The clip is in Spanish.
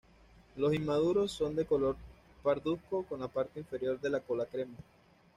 Los inmaduros son de color parduzco con la parte inferior de la cola crema.